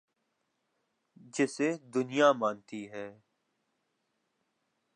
جسے دنیا مانتی ہے۔